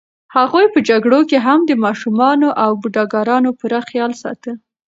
هغوی په جګړو کې هم د ماشومانو او بوډاګانو پوره خیال ساته.